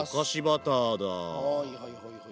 はいはいはいはい。